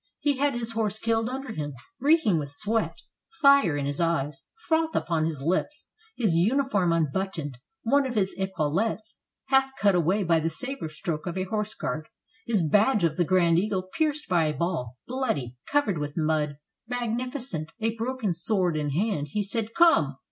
He had his horse killed under him. Reeking with sweat, fire in his eyes, froth upon his lips, his uniform unbuttoned, one of his epaulets half cut away by the saber stroke of a horse guard, his badge of the Grand Eagle pierced by a ball, bloody, covered with mud, magnificent, a broken sword in his hand, he said: "Come!